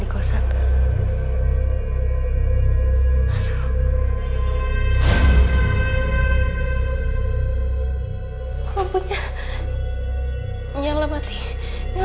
sekarang aku toilet nya